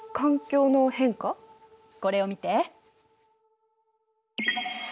これを見て。